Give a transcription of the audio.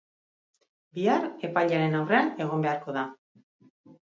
Bihar, epailearen aurrean egon beharko da.